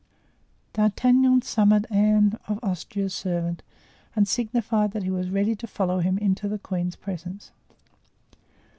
D'Artagnan summoned Anne of Austria's servant and signified that he was ready to follow him into the queen's presence.